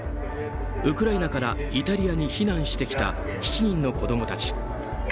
ウクライナからイタリアに避難してきた７人の子供たち。